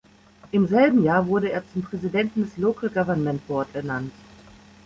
Im selben Jahr wurde er zum Präsidenten des "Local Government Board" ernannt.